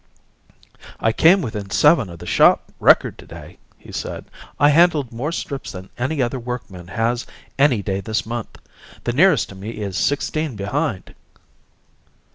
"I came within seven of the shop record to day," he said. "I handled more strips than any other workman has any day this month. The nearest to me is sixteen behind."